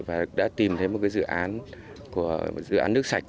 và đã tìm thấy một dự án nước sạch của bắc ninh